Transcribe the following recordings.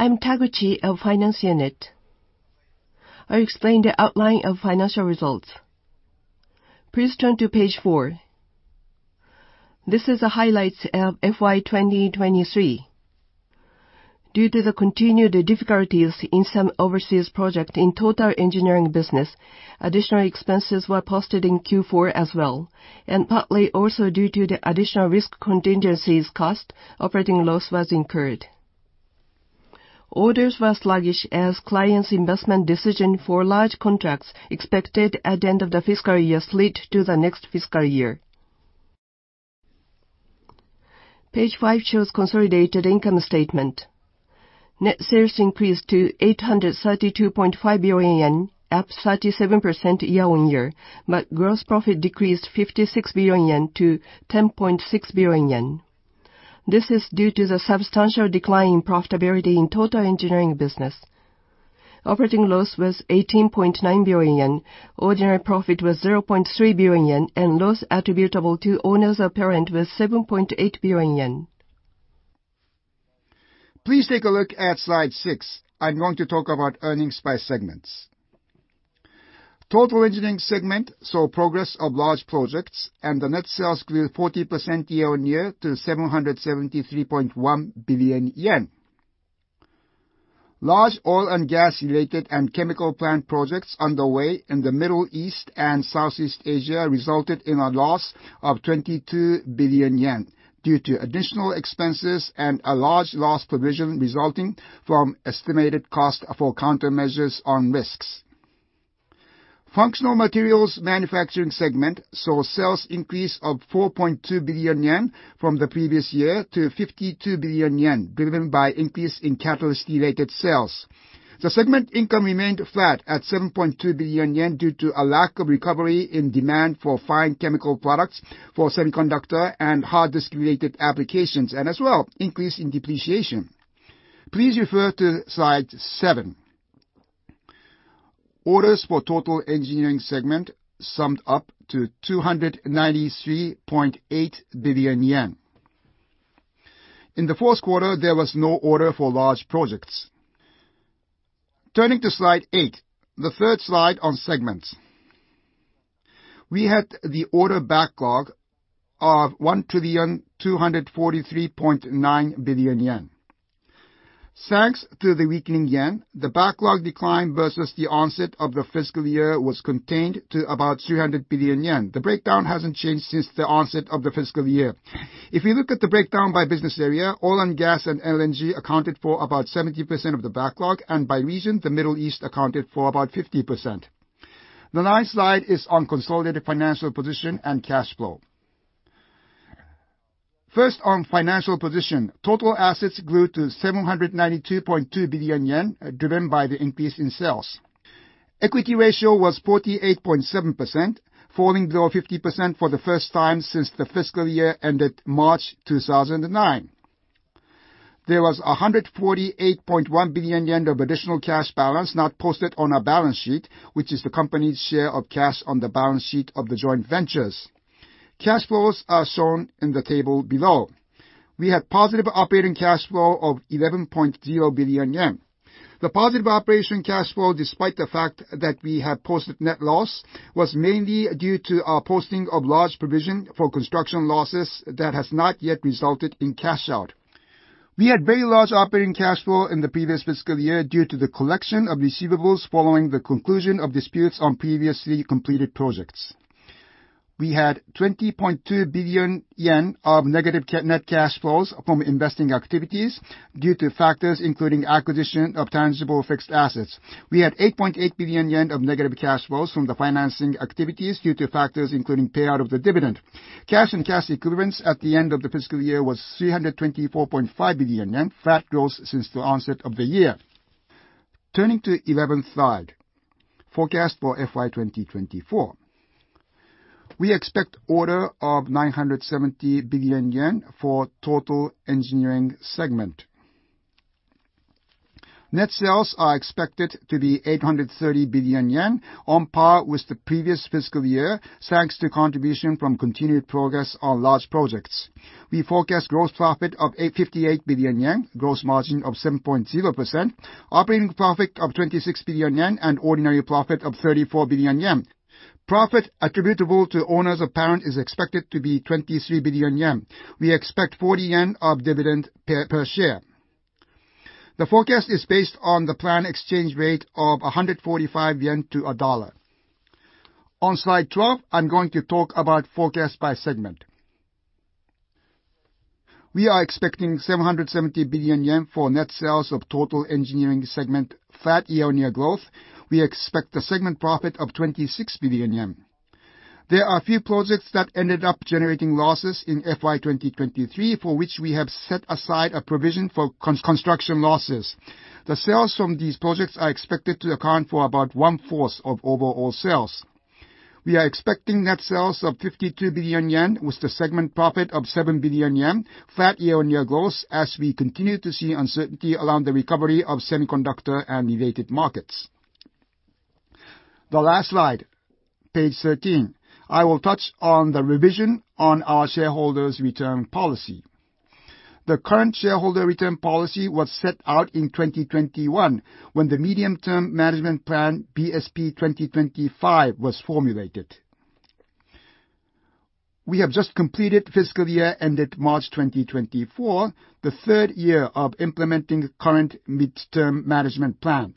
I'm Taguchi of Finance Unit. I'll explain the outline of financial results. Please turn to page 4. This is the highlights of FY 2023. Due to the continued difficulties in some overseas project in Total engineering business, additional expenses were posted in Q4 as well, and partly also due to the additional risk contingencies cost, operating loss was incurred. Orders were sluggish as clients' investment decision for large contracts expected at the end of the fiscal year slid to the next fiscal year. Page 5 shows consolidated income statement. Net sales increased to 832.5 billion yen, up 37% year-on-year, but gross profit decreased 56 billion yen to 10.6 billion yen. This is due to the substantial decline in profitability in Total engineering business. Operating loss was 18.9 billion yen, ordinary profit was 0.3 billion yen, and loss attributable to owners of parent was 7.8 billion yen. Please take a look at slide six. I'm going to talk about earnings by segments. Total Engineering segment saw progress of large projects, and the net sales grew 40% year-on-year to 773.1 billion yen. Large oil and gas-related and chemical plant projects underway in the Middle East and Southeast Asia resulted in a loss of 22 billion yen due to additional expenses and a large loss provision resulting from estimated cost for countermeasures on risks. Functional materials manufacturing segment saw sales increase of 4.2 billion yen from the previous year to 52 billion yen, driven by increase in catalyst-related sales. The segment income remained flat at 7.2 billion yen due to a lack of recovery in demand for fine chemical products for semiconductor and hard disk-related applications, and as well, increase in depreciation. Please refer to slide 7. Orders for Total Engineering segment summed up to 293.8 billion yen. In the fourth quarter, there was no order for large projects. Turning to slide 8, the third slide on segments. We had the order backlog of 1,243,900,000,000 billion yen. Thanks to the weakening yen, the backlog decline versus the onset of the fiscal year was contained to about 300 billion yen. The breakdown hasn't changed since the onset of the fiscal year. If you look at the breakdown by business area, oil and gas and LNG accounted for about 70% of the backlog, and by region, the Middle East accounted for about 50%. The 9th slide is on consolidated financial position and cash flow. First, on financial position, total assets grew to 792.2 billion yen, driven by the increase in sales. Equity ratio was 48.7%, falling below 50% for the first time since the fiscal year ended March 2009. There was 148.1 billion yen of additional cash balance not posted on our balance sheet, which is the company's share of cash on the balance sheet of the joint ventures. Cash flows are shown in the table below. We had positive operating cash flow of 11.0 billion yen. The positive operating cash flow, despite the fact that we have posted net loss, was mainly due to our posting of large provision for construction losses that has not yet resulted in cash out. We had very large operating cash flow in the previous fiscal year due to the collection of receivables following the conclusion of disputes on previously completed projects. We had 20.2 billion yen of negative net cash flows from investing activities due to factors including acquisition of tangible fixed assets. We had 8.8 billion yen of negative cash flows from the financing activities due to factors including payout of the dividend. Cash and cash equivalents at the end of the fiscal year was 324.5 billion yen, flat growth since the onset of the year. Turning to 11th slide, forecast for FY 2024. We expect order of 970 billion yen for Total Engineering segment. Net sales are expected to be 830 billion yen, on par with the previous fiscal year, thanks to contribution from continued progress on large projects. We forecast gross profit of 85.8 billion yen, gross margin of 7.0%, operating profit of 26 billion yen, and ordinary profit of 34 billion yen. Profit attributable to owners of parent is expected to be 23 billion yen. We expect 40 yen dividend per share. The forecast is based on the planned exchange rate of 145 yen to a dollar. On slide 12, I'm going to talk about forecast by segment. We are expecting 770 billion yen for net sales of Total Engineering segment, flat year-over-year growth. We expect a segment profit of 26 billion yen. There are a few projects that ended up generating losses in FY 2023, for which we have set aside a provision for construction losses. The sales from these projects are expected to account for about one-fourth of overall sales. We are expecting net sales of 52 billion yen, with the segment profit of 7 billion yen, flat year-on-year growth, as we continue to see uncertainty around the recovery of semiconductor and related markets. The last slide, page 13, I will touch on the revision on our shareholders' return policy. The current shareholder return policy was set out in 2021, when the medium-term management plan, BSP 2025, was formulated. We have just completed fiscal year ended March 2024, the third year of implementing current midterm management plan.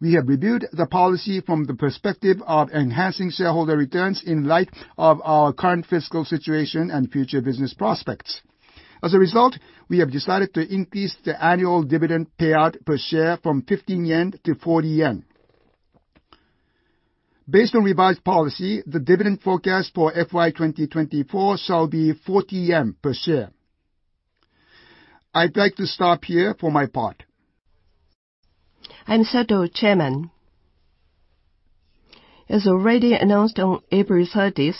We have reviewed the policy from the perspective of enhancing shareholder returns in light of our current fiscal situation and future business prospects. As a result, we have decided to increase the annual dividend payout per share from 15 yen to 40 yen. Based on revised policy, the dividend forecast for FY 2024 shall be 40 yen per share. I'd like to stop here for my part. I'm Sato, Chairman. As already announced on April 30,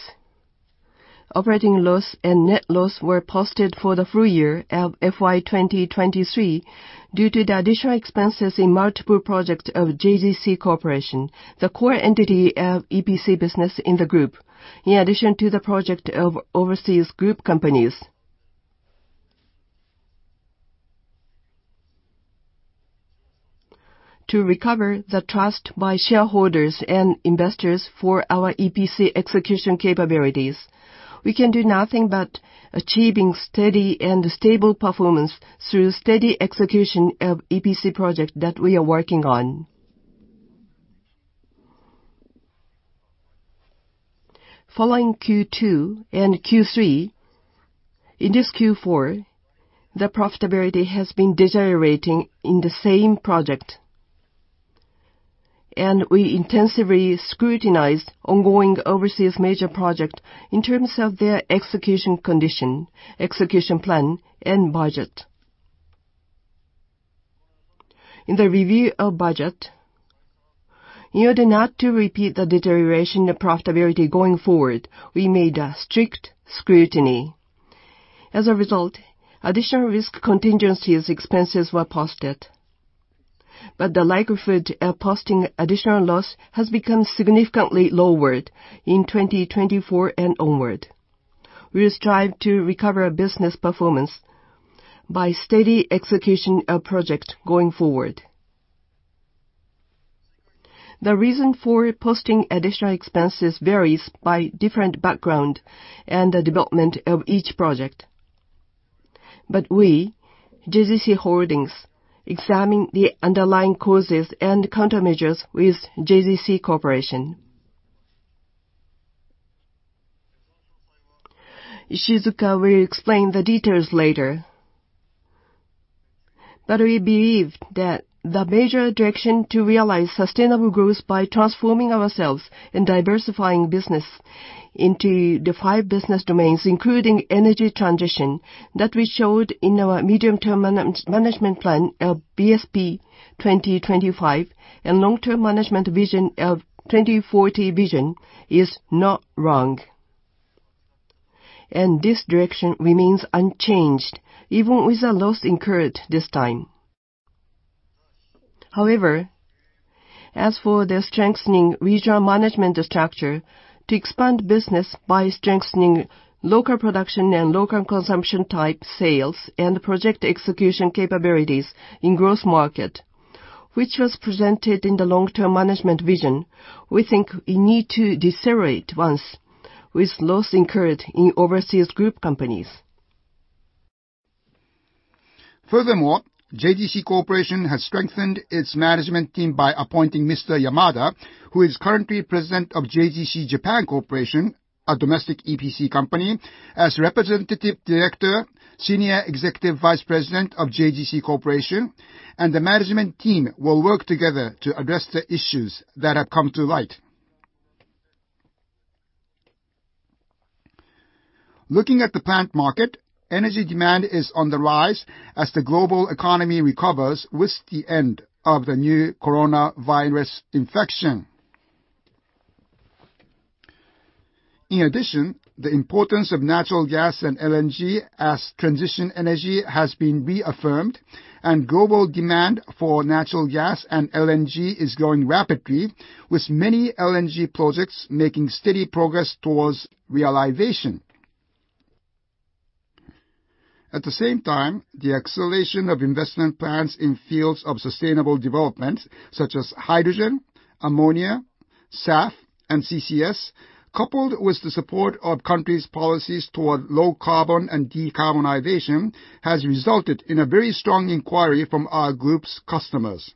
operating loss and net loss were posted for the full year of FY 2023 due to the additional expenses in multiple projects of JGC Corporation, the core entity of EPC business in the group, in addition to the project of overseas group companies. To recover the trust by shareholders and investors for our EPC execution capabilities, we can do nothing but achieving steady and stable performance through steady execution of EPC project that we are working on. Following Q2 and Q3, in this Q4, the profitability has been deteriorating in the same project, and we intensively scrutinized ongoing overseas major project in terms of their execution condition, execution plan, and budget. In the review of budget, in order not to repeat the deterioration in profitability going forward, we made a strict scrutiny. As a result, additional risk contingencies expenses were posted, but the likelihood of posting additional loss has become significantly lowered in 2024 and onward. We will strive to recover business performance by steady execution of projects going forward. The reason for posting additional expenses varies by different background and the development of each project, but we, JGC Holdings, examine the underlying causes and countermeasures with JGC Corporation. Ishizuka will explain the details later. But we believe that the major direction to realize sustainable growth by transforming ourselves and diversifying business into the five business domains, including energy transition, that we showed in our medium-term management plan of BSP 2025 and long-term management vision of 2040 Vision, is not wrong. And this direction remains unchanged, even with the loss incurred this time. However, as for the strengthening regional management structure to expand business by strengthening local production and local consumption type sales and project execution capabilities in growth market, which was presented in the long-term management vision, we think we need to decelerate once with loss incurred in overseas group companies. Furthermore, JGC Corporation has strengthened its management team by appointing Mr. Yamada, who is currently President of JGC Japan Corporation, a domestic EPC company, as Representative Director, Senior Executive Vice President of JGC Corporation, and the management team will work together to address the issues that have come to light. Looking at the plant market, energy demand is on the rise as the global economy recovers with the end of the new coronavirus infection. In addition, the importance of natural gas and LNG as transition energy has been reaffirmed, and global demand for natural gas and LNG is growing rapidly, with many LNG projects making steady progress towards realization. At the same time, the acceleration of investment plans in fields of sustainable development, such as hydrogen, ammonia, SAF, and CCS, coupled with the support of countries' policies toward low carbon and decarbonization, has resulted in a very strong inquiry from our group's customers.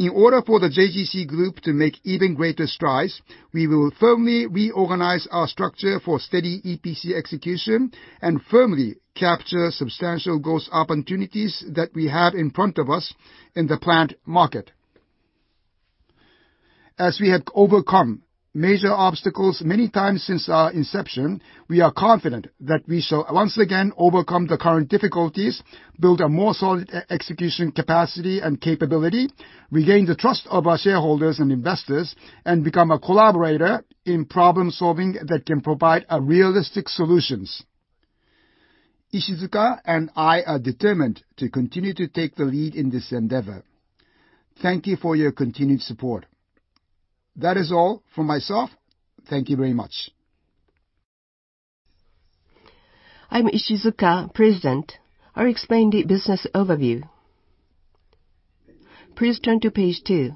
In order for the JGC Group to make even greater strides, we will firmly reorganize our structure for steady EPC execution and firmly capture substantial growth opportunities that we have in front of us in the plant market. As we have overcome major obstacles many times since our inception, we are confident that we shall once again overcome the current difficulties, build a more solid EPC execution capacity and capability, regain the trust of our shareholders and investors, and become a collaborator in problem-solving that can provide realistic solutions. Ishizuka and I are determined to continue to take the lead in this endeavor. Thank you for your continued support. That is all from myself. Thank you very much. I'm Ishizuka, President. I'll explain the business overview. Please turn to page 2.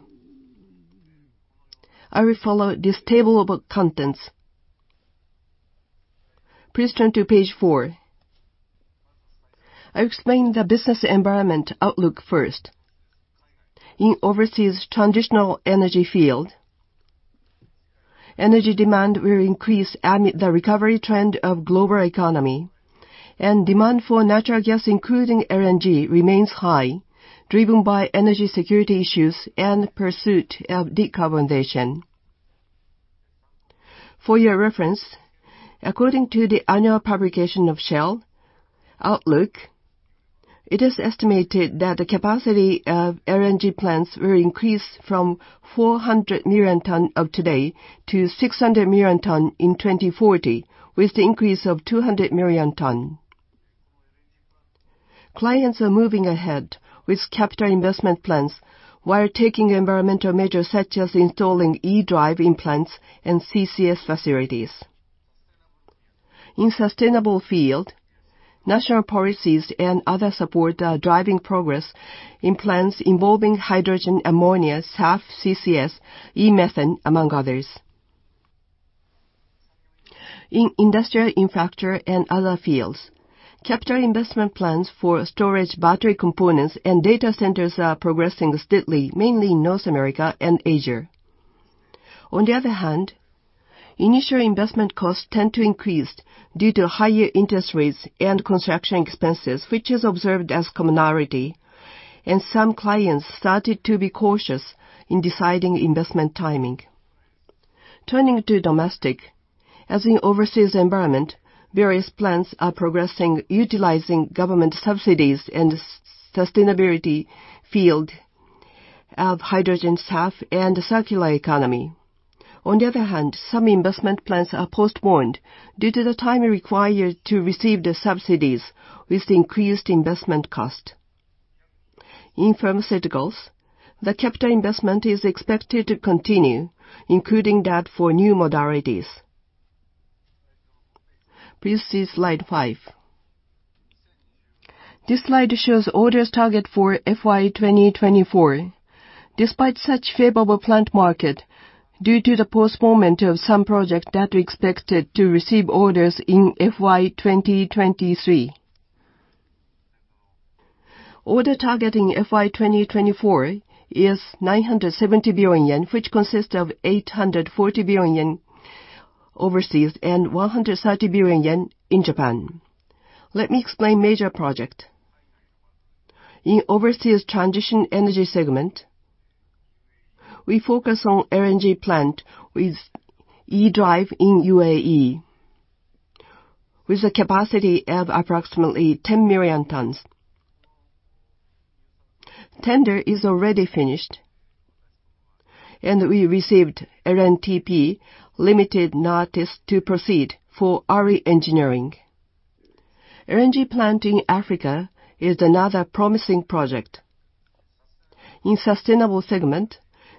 I will follow this table of contents. Please turn to page 4. I'll explain the business environment outlook first. In overseas transitional energy field, energy demand will increase amid the recovery trend of global economy, and demand for natural gas, including LNG, remains high, driven by energy security issues and pursuit of decarbonization. For your reference, according to the annual publication of Shell Outlook, it is estimated that the capacity of LNG plants will increase from 400 million tons of today to 600 million tons in 2040, with the increase of 200 million tons. Clients are moving ahead with capital investment plans while taking environmental measures, such as installing e-drive in plants and CCS facilities. In the sustainable field, national policies and other support are driving progress in plants involving hydrogen, ammonia, SAF, CCS, e-methane, among others. In industrial infrastructure and other fields, capital investment plans for storage battery components and data centers are progressing steadily, mainly in North America and Asia. On the other hand, initial investment costs tend to increase due to higher interest rates and construction expenses, which is observed as commonality, and some clients started to be cautious in deciding investment timing. Turning to domestic, as in overseas environment, various plans are progressing, utilizing government subsidies in the sustainability field of hydrogen, SAF, and the circular economy. On the other hand, some investment plans are postponed due to the time required to receive the subsidies with increased investment cost. In pharmaceuticals, the capital investment is expected to continue, including that for new modalities. Please see slide five. This slide shows orders target for FY 2024. Despite such favorable plant market, due to the postponement of some projects that we expected to receive orders in FY 2023. Order target in FY 2024 is 970 billion yen, which consists of 840 billion yen overseas and 130 billion yen in Japan. Let me explain major project. In overseas transition energy segment, we focus on LNG plant with E-drive in UAE, with a capacity of approximately 10 million tons. Tender is already finished, and we received LNTP limited notice to proceed for early engineering. LNG plant in Africa is another promising project. In sustainable segment,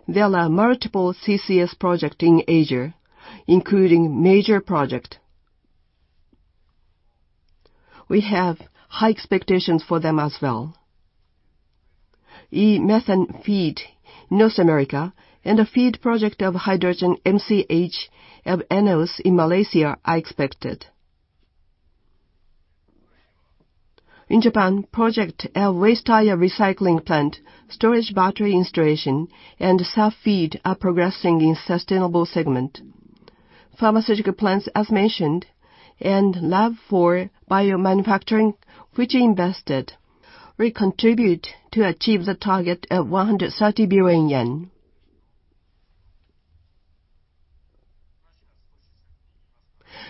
there are multiple CCS projects in Asia, including major project. We have high expectations for them as well. E-methane FEED North America and a FEED project of hydrogen MCH of ENEOS in Malaysia are expected. In Japan, project of waste tire recycling plant, storage battery installation, and SAF FEED are progressing in sustainable segment. Pharmaceutical plants, as mentioned, and lab for biomanufacturing, which invested, will contribute to achieve the target of 130 billion yen.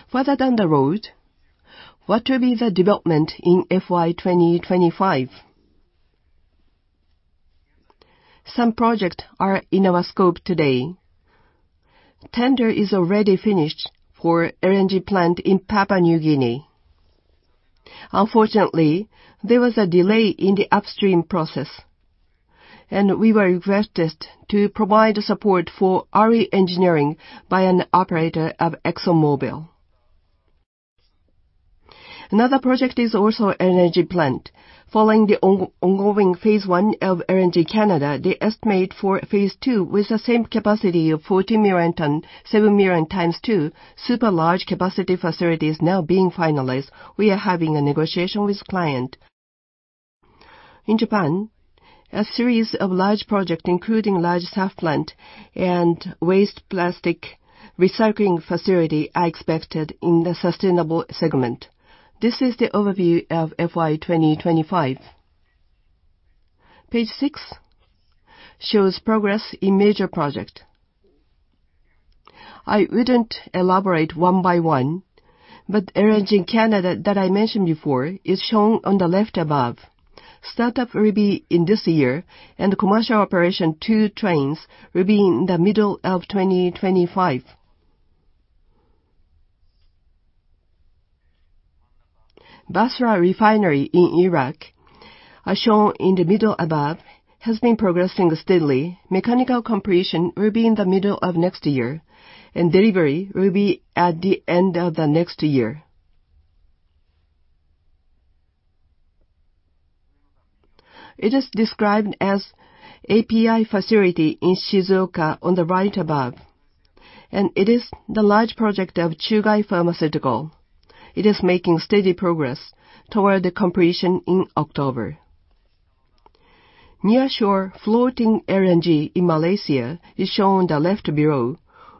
Further down the road, what will be the development in FY 2025? Some projects are in our scope today. Tender is already finished for LNG plant in Papua New Guinea. Unfortunately, there was a delay in the upstream process, and we were requested to provide support for early engineering by an operator of ExxonMobil. Another project is also LNG plant. Following the ongoing phase I of LNG Canada, the estimate for phase 2 with the same capacity of 14 million ton, 7 million times two, super large capacity facility is now being finalized. We are having a negotiation with client. In Japan, a series of large projects, including large SAF plant and waste plastic recycling facility, are expected in the sustainable segment. This is the overview of FY 2025. Page 6 shows progress in major projects. I wouldn't elaborate one by one, but LNG Canada, that I mentioned before, is shown on the left above. Startup will be in this year, and commercial operation, 2 trains, will be in the middle of 2025.... Basra Refinery in Iraq, as shown in the middle above, has been progressing steadily. Mechanical completion will be in the middle of next year, and delivery will be at the end of the next year. It is described as API facility in Shizuoka on the right above, and it is the large project of Chugai Pharmaceutical. It is making steady progress toward the completion in October. Nearshore floating LNG in Malaysia is shown on the left below.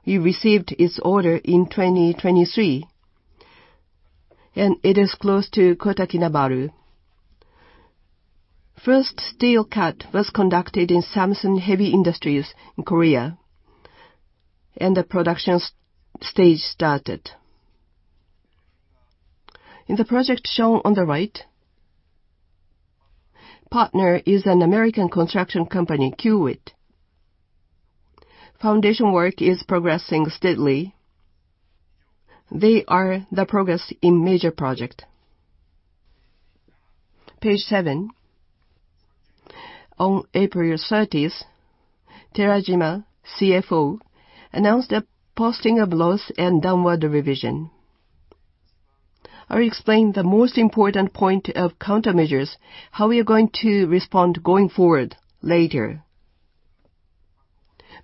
We received its order in 2023, and it is close to Kota Kinabalu. First steel cut was conducted in Samsung Heavy Industries in Korea, and the production stage started. In the project shown on the right, partner is an American construction company, Kiewit. Foundation work is progressing steadily. That is the progress in major projects. Page seven. On April 30th, Terajima, CFO, announced a posting of loss and downward revision. I'll explain the most important point of countermeasures, how we are going to respond going forward, later.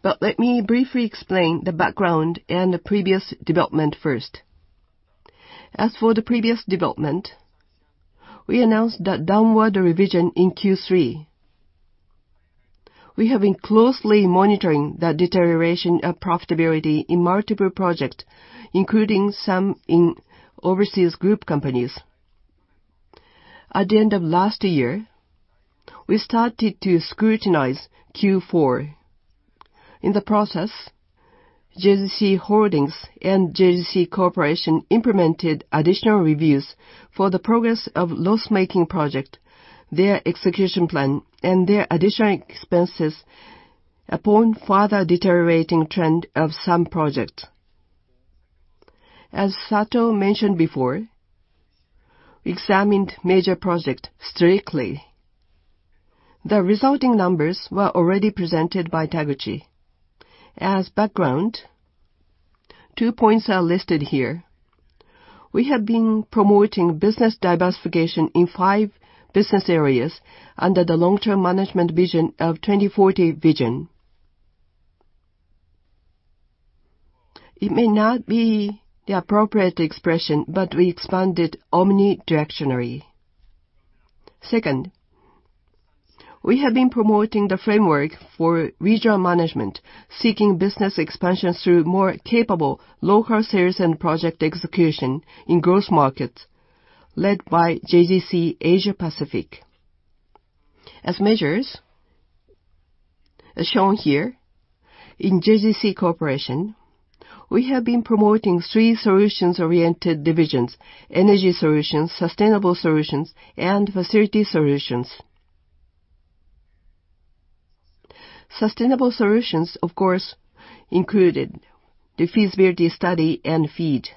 But let me briefly explain the background and the previous development first. As for the previous development, we announced the downward revision in Q3. We have been closely monitoring the deterioration of profitability in multiple projects, including some in overseas group companies. At the end of last year, we started to scrutinize Q4. In the process, JGC Holdings and JGC Corporation implemented additional reviews for the progress of loss-making project, their execution plan, and their additional expenses upon further deteriorating trend of some projects. As Sato mentioned before, we examined major project strictly. The resulting numbers were already presented by Taguchi. As background, two points are listed here. We have been promoting business diversification in five business areas under the long-term management vision of 2040 Vision. It may not be the appropriate expression, but we expanded omni-directionally. Second, we have been promoting the framework for regional management, seeking business expansions through more capable local sales and project execution in growth markets, led by JGC Asia Pacific. As measures, as shown here, in JGC Corporation, we have been promoting three solutions-oriented divisions: energy solutions, sustainable solutions, and facility solutions. Sustainable solutions, of course, included the feasibility study and FEED.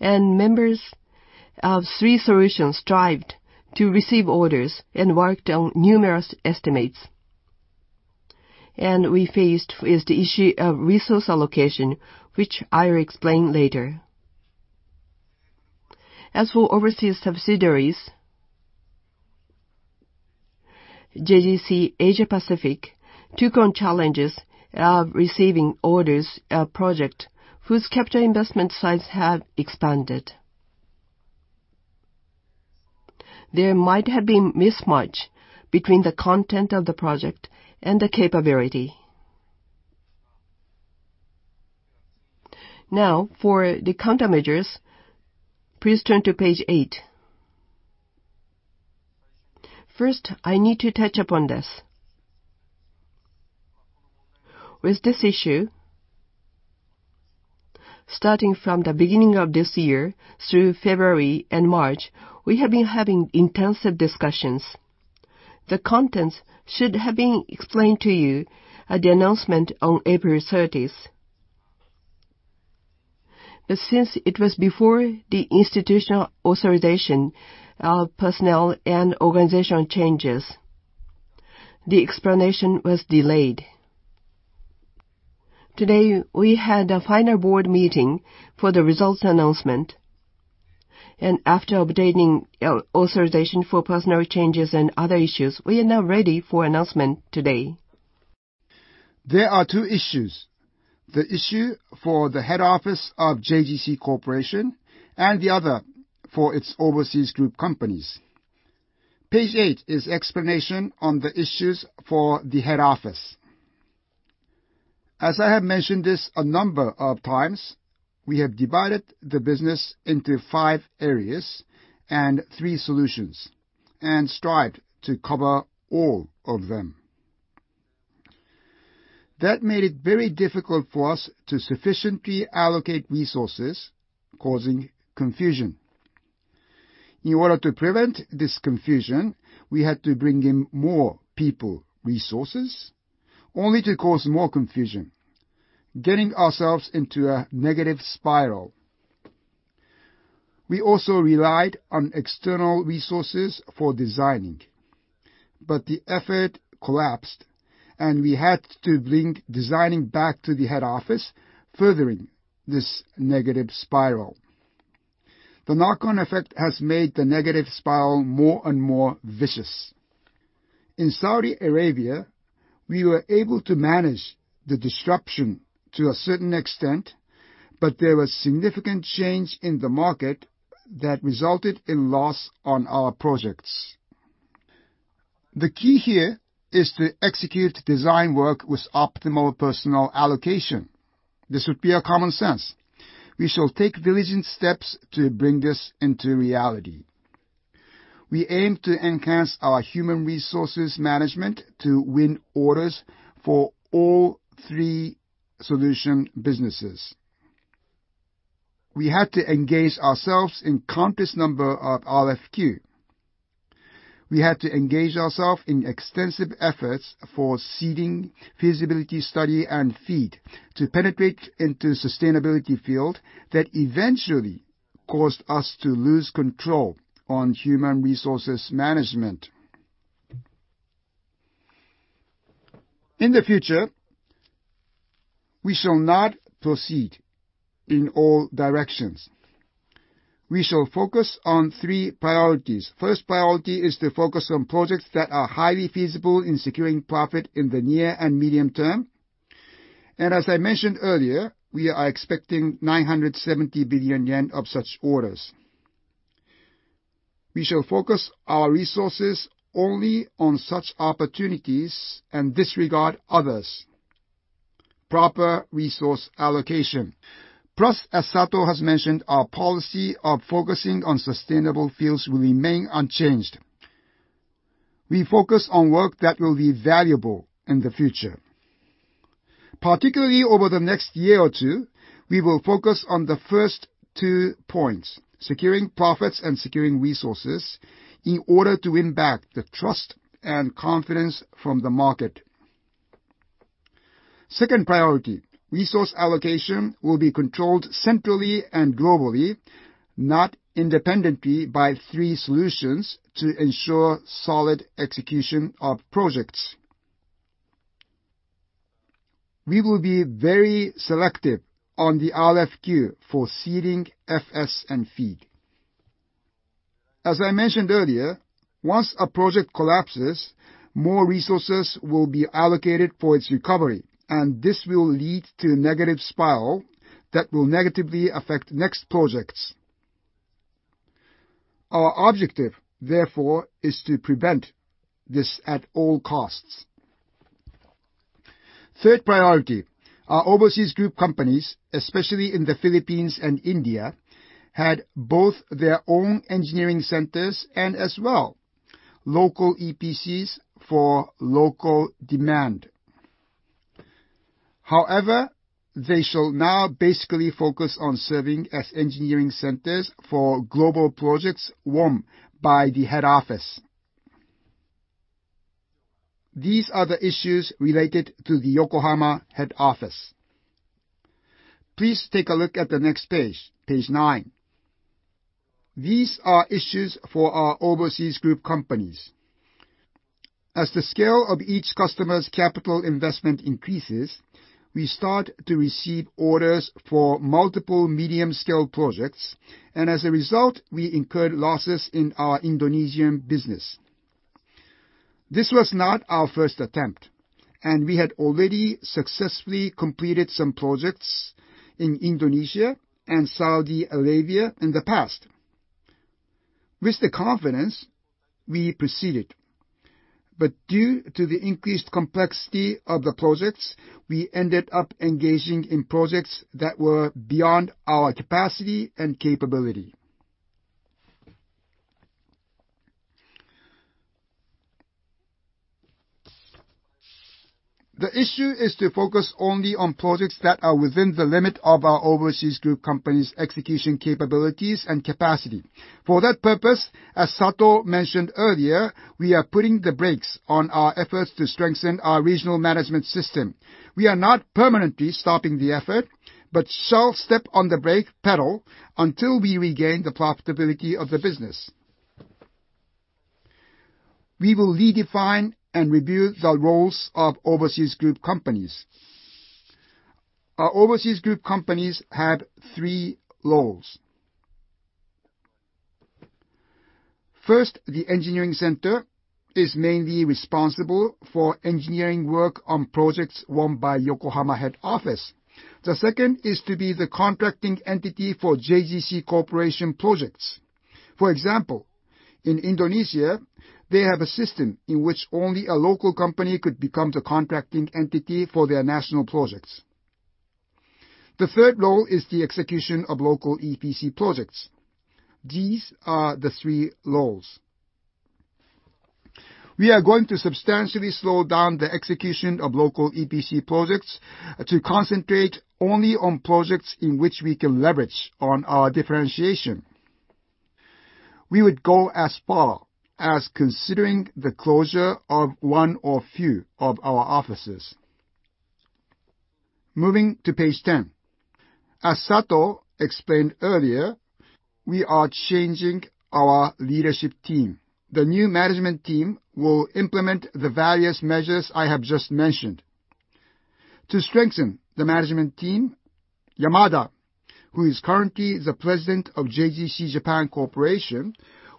Members of three solutions strived to receive orders and worked on numerous estimates. We faced with the issue of resource allocation, which I will explain later. As for overseas subsidiaries, JGC Asia Pacific took on challenges of receiving orders, project, whose capital investment sites have expanded. There might have been mismatch between the content of the project and the capability. Now, for the countermeasures, please turn to page eight. First, I need to touch upon this. With this issue, starting from the beginning of this year through February and March, we have been having intensive discussions. The contents should have been explained to you at the announcement on April thirtieth. But since it was before the institutional authorization of personnel and organizational changes, the explanation was delayed. Today, we had a final board meeting for the results announcement, and after obtaining authorization for personnel changes and other issues, we are now ready for announcement today. There are two issues, the issue for the head office of JGC Corporation and the other for its overseas group companies. Page 8 is explanation on the issues for the head office. As I have mentioned this a number of times, we have divided the business into five areas and three solutions, and strived to cover all of them. That made it very difficult for us to sufficiently allocate resources, causing confusion. In order to prevent this confusion, we had to bring in more people resources, only to cause more confusion, getting ourselves into a negative spiral. We also relied on external resources for designing, but the effort collapsed, and we had to bring designing back to the head office, furthering this negative spiral. The knock-on effect has made the negative spiral more and more vicious. In Saudi Arabia, we were able to manage the disruption to a certain extent, but there was significant change in the market that resulted in loss on our projects. The key here is to execute design work with optimal personnel allocation. This would be common sense. We shall take diligent steps to bring this into reality. We aim to enhance our human resources management to win orders for all three solution businesses. We had to engage ourselves in countless number of RFQ. We had to engage ourselves in extensive efforts for seeding, feasibility study, and FEED to penetrate into sustainability field that eventually caused us to lose control on human resources management. In the future, we shall not proceed in all directions. We shall focus on three priorities. First priority is to focus on projects that are highly feasible in securing profit in the near and medium term, and as I mentioned earlier, we are expecting 970 billion yen of such orders. We shall focus our resources only on such opportunities and disregard others. Proper resource allocation. Plus, as Sato has mentioned, our policy of focusing on sustainable fields will remain unchanged. We focus on work that will be valuable in the future. Particularly over the next year or two, we will focus on the first two points, securing profits and securing resources, in order to win back the trust and confidence from the market. Second priority, resource allocation will be controlled centrally and globally, not independently by three solutions to ensure solid execution of projects. We will be very selective on the RFQ for seeding, FS, and FEED. As I mentioned earlier, once a project collapses, more resources will be allocated for its recovery, and this will lead to a negative spiral that will negatively affect next projects. Our objective, therefore, is to prevent this at all costs. Third priority, our overseas group companies, especially in the Philippines and India, had both their own engineering centers and as well, local EPCs for local demand. However, they shall now basically focus on serving as engineering centers for global projects won by the head office. These are the issues related to the Yokohama head office. Please take a look at the next page, page nine. These are issues for our overseas group companies. As the scale of each customer's capital investment increases, we start to receive orders for multiple medium-scale projects, and as a result, we incurred losses in our Indonesian business. This was not our first attempt, and we had already successfully completed some projects in Indonesia and Saudi Arabia in the past. With the confidence, we proceeded, but due to the increased complexity of the projects, we ended up engaging in projects that were beyond our capacity and capability. The issue is to focus only on projects that are within the limit of our overseas group company's execution capabilities and capacity. For that purpose, as Sato mentioned earlier, we are putting the brakes on our efforts to strengthen our regional management system. We are not permanently stopping the effort, but shall step on the brake pedal until we regain the profitability of the business. We will redefine and review the roles of overseas group companies. Our overseas group companies have three roles. First, the engineering center is mainly responsible for engineering work on projects won by Yokohama head office. The second is to be the contracting entity for JGC Corporation projects. For example, in Indonesia, they have a system in which only a local company could become the contracting entity for their national projects. The third role is the execution of local EPC projects. These are the three roles.... We are going to substantially slow down the execution of local EPC projects to concentrate only on projects in which we can leverage on our differentiation. We would go as far as considering the closure of one or few of our offices. Moving to page ten. As Sato explained earlier, we are changing our leadership team. The new management team will implement the various measures I have just mentioned. To strengthen the management team, Yamada, who is currently the President of JGC Japan Corporation,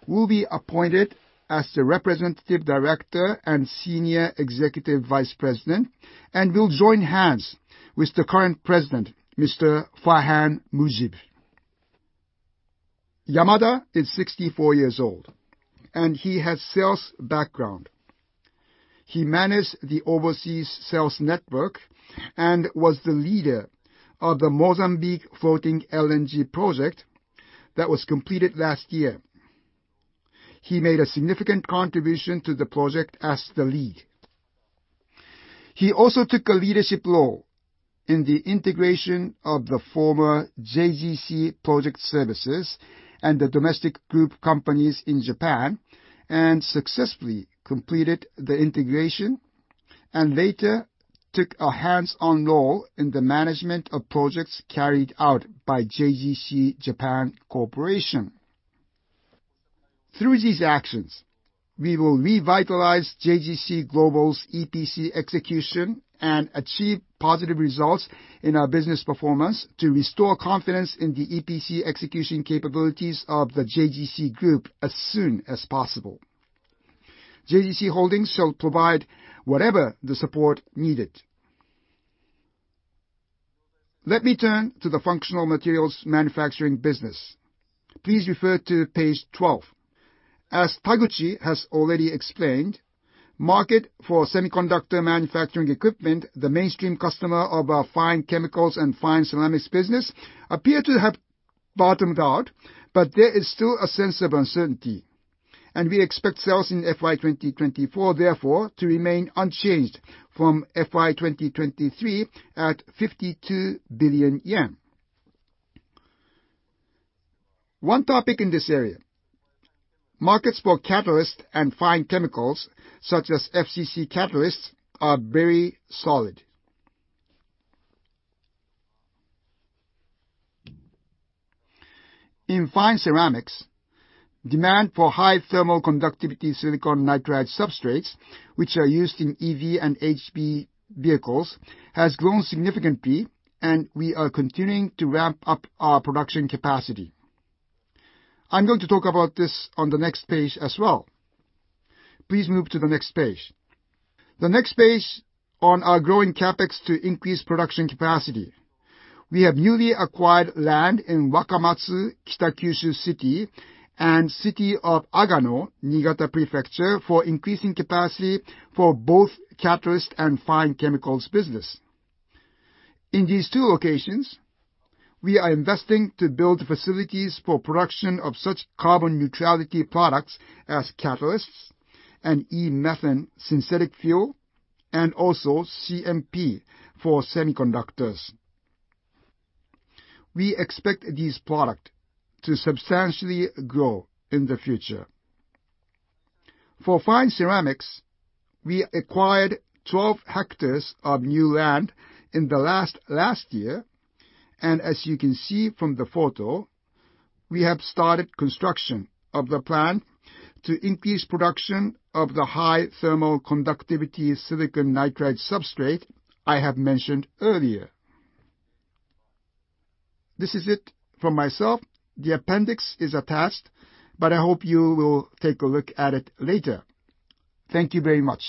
will be appointed as the Representative Director and Senior Executive Vice President, and will join hands with the current President, Mr. Farhan Mujib. Yamada is 64 years old, and he has sales background. He managed the overseas sales network and was the leader of the Mozambique floating LNG project that was completed last year. He made a significant contribution to the project as the lead. He also took a leadership role in the integration of the former JGC Project Services and the domestic group companies in Japan, and successfully completed the integration, and later took a hands-on role in the management of projects carried out by JGC Japan Corporation. Through these actions, we will revitalize JGC Global's EPC execution and achieve positive results in our business performance to restore confidence in the EPC execution capabilities of the JGC group as soon as possible. JGC Holdings shall provide whatever the support needed. Let me turn to the functional materials manufacturing business. Please refer to page 12. As Taguchi has already explained, market for semiconductor manufacturing equipment, the mainstream customer of our fine chemicals and fine ceramics business, appear to have bottomed out, but there is still a sense of uncertainty, and we expect sales in FY 2024, therefore, to remain unchanged from FY 2023 at JPY 52 billion. One topic in this area, markets for catalysts and fine chemicals, such as FCC catalysts, are very solid. In fine ceramics, demand for high thermal conductivity silicon nitride substrates, which are used in EV and HV vehicles, has grown significantly, and we are continuing to ramp up our production capacity. I'm going to talk about this on the next page as well. Please move to the next page. The next page on our growing CapEx to increase production capacity. We have newly acquired land in Wakamatsu, Kitakyushu City, and City of Agano, Niigata Prefecture, for increasing capacity for both catalyst and fine chemicals business. In these two locations, we are investing to build facilities for production of such carbon neutrality products as catalysts and e-methane synthetic fuel, and also CMP for semiconductors. We expect these product to substantially grow in the future. For fine ceramics, we acquired 12 hectares of new land in the last year, and as you can see from the photo, we have started construction of the plant to increase production of the high thermal conductivity silicon nitride substrate I have mentioned earlier. This is it from myself. The appendix is attached, but I hope you will take a look at it later. Thank you very much.